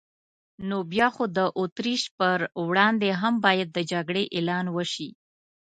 نو بیا خو د اتریش پر وړاندې هم باید د جګړې اعلان وشي.